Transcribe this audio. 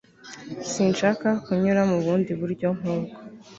sinshaka kunyura mu bundi buryo nkubwo